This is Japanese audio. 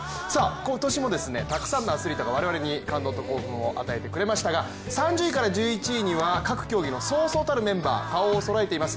今年も、たくさんのアスリートが我々に感動と興奮を与えてくれましたが３０位から１１位には、各競技のそうそうたるメンバー顔をそろえています。